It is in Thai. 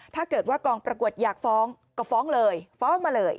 ถ้าเกิดว่ากองประกวดอยากฟ้องก็ฟ้องเลยฟ้องมาเลย